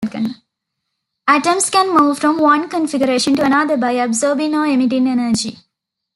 Atoms can move from one configuration to another by absorbing or emitting energy.